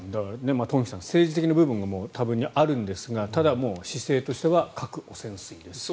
東輝さん、政治的な部分も多分にあるんですがただ、姿勢としては核汚染水です。